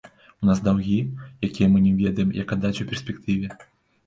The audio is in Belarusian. У нас даўгі, якія мы не ведаем, як аддаць у перспектыве.